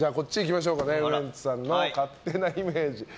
ウエンツさんの勝手なイメージ。